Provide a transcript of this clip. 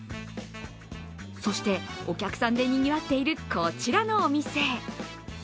そして、お客さんでにぎわっているこちらのお店。